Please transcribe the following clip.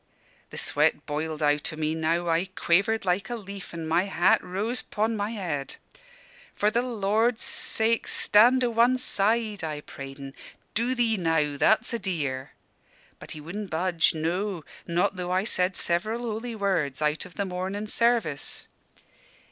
"The sweat boiled out o' me now. I quavered like a leaf, and my hat rose 'pon my head. 'For the Lord's sake, stand o' one side,' I prayed en; 'do'ee now, that's a dear!' But he wudn' budge; no, not though I said several holy words out of the Mornin' Service.